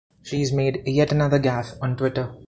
She's made yet another gaffe on Twitter.